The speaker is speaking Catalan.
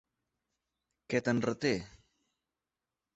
Què te'n reté?